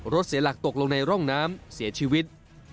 เสียหลักตกลงในร่องน้ำเสียชีวิต